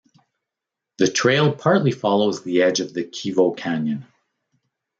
The trail partly follows the edge of the Kevo canyon.